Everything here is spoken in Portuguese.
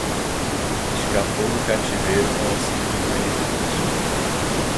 Escapou do cativeiro com auxílio de um canivete